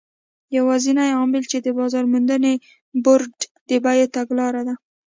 یوازینی عامل یې د بازار موندنې بورډ د بیو تګلاره ده.